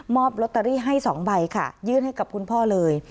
ลอตเตอรี่ให้๒ใบค่ะยื่นให้กับคุณพ่อเลย